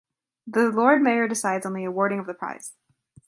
The Lord Mayor decides on the awarding of the prize.